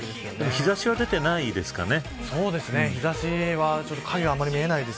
日差しは出ていないんですかね。